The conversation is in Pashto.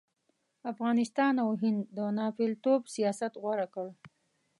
افغانستان او هند د ناپېلتوب سیاست غوره کړ.